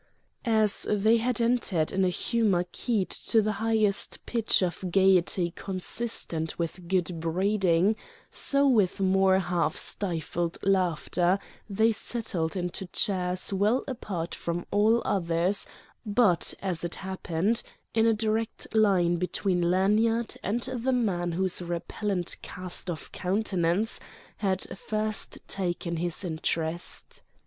As they had entered in a humour keyed to the highest pitch of gaiety consistent with good breeding, so with more half stifled laughter they settled into chairs well apart from all others but, as it happened, in a direct line between Lanyard and the man whose repellent cast of countenance had first taken his interest.